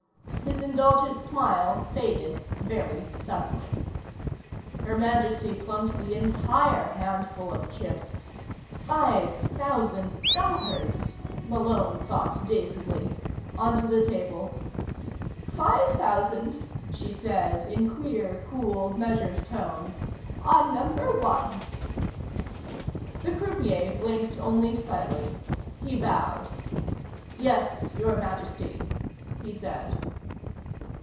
His indulgent smile faded very suddenly. Her Majesty plunked the entire handful of chips five thousand dollars! Malone thought dazedly onto the table. "Five thousand," she said in clear, cool measured tones, "on number one." The croupier blinked only slightly. He bowed. "Yes, Your Majesty," he said.